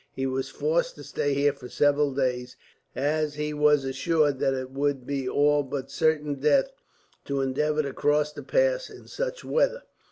He was forced to stay here for several days, as he was assured that it would be all but certain death to endeavour to cross the pass, in such weather.